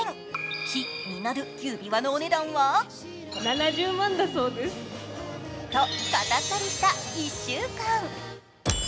気になる指輪のお値段は？と、語ったりした１週間。